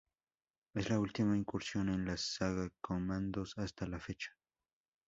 Es la última incursión en la saga Commandos hasta la fecha.